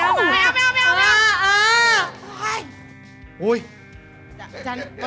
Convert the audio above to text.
อะแจนออกมา